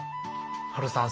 ハルさん